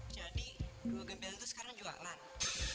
jadi orang itu yang tahu diri